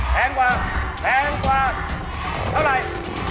แพงกว่าเท่าไหร่